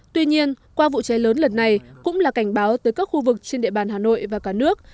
tuy nhiên qua vụ cháy lớn lần này cũng là cảnh báo tới các khu vực trên địa bàn hà nội và cả nước